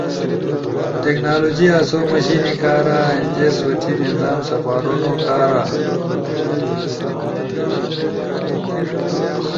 ٹیکنالوجی آسو مشینی کارا، اینجے سوتی نظام سپارونو کارا